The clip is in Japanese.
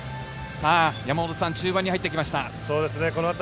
山本さん、中盤に入ってきました。